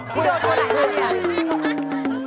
คุยกับคนละ๒๓ล้านบาท